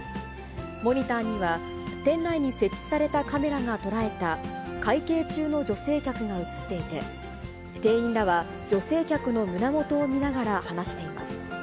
モニターには、店内に設置されたカメラが捉えた、会計中の女性客が映っていて、店員らは女性客の胸元を見ながら話しています。